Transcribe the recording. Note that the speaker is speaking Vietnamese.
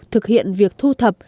thực hiện việc thu thập